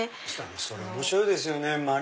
それ面白いですよね。